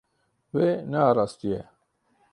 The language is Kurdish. Wê nearastiye.